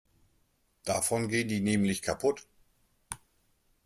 Davon gehen die nämlich kaputt.